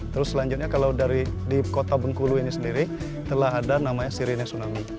terus selanjutnya kalau dari di kota bengkulu ini sendiri telah ada namanya sirine tsunami